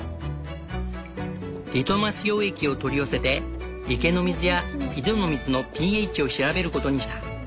リトマス溶液を取り寄せて池の水や井戸の水のｐＨを調べることにした。